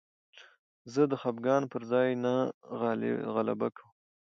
زه خپګان پر ځان نه غالبه کوم.